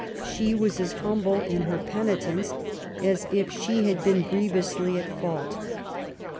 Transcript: She was as humble in her penitence as if she had been grievously at fault.